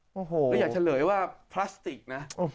ก็อยากเฉลยว่าพลาสติกนะ